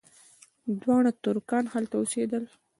دواړه ترکان هلته اوسېدل.